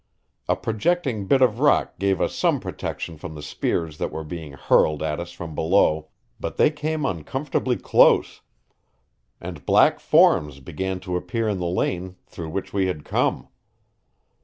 A projecting bit of rock gave us some protection from the spears that were being hurled at us from below, but they came uncomfortably close, and black forms began to appear in the lane through which we had come.